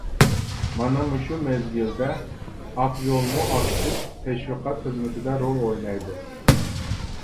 مانا شۇ مەزگىلدە ئاقيولمۇ ئاكتىپ تەشۋىقات خىزمىتىدە رول ئوينايدۇ.